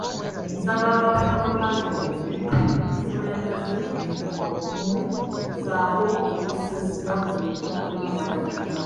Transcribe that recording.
Nsaba ababaka ba paalamenti mukulembeze obumu ssaako okussa essira ku bintu ebiruma Bannayuganda .